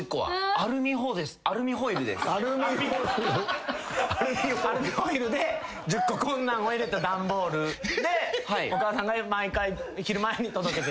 アルミホイルで１０個こんなんを入れたダンボールでお母さんが毎回昼前に届けてた。